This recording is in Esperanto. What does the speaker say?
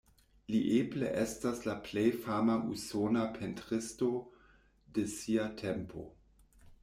Li eble estas la plej fama usona pentristo de sia tempo.